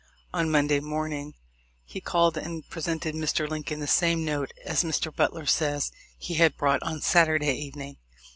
On Monday morning he called and presented Mr. Lincoln the same note as Mr. Butler says he had brought on Saturday evening.